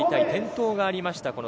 転倒がありました。